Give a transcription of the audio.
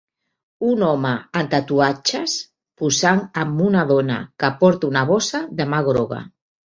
Un home amb tatuatges posant amb una dona que porta una bossa de mà groga.